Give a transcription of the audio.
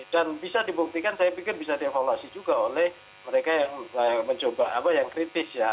dan bisa dibuktikan saya pikir bisa diavaluasi juga oleh mereka yang mencoba apa yang kritis ya